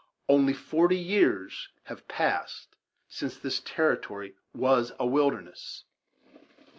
Only forty years * have passed since this territory was a wilderness.